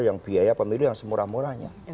yang biaya pemilu yang semurah murahnya